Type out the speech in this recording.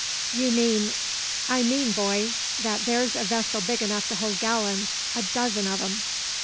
"You mean " "I mean, boy, that there's a vessel big enough to hold gallons, a dozen o' 'em."